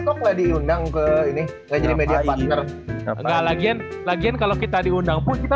toklah diundang ke ini menjadi media partner enggak lagi lagi kalau kita diundang pun kita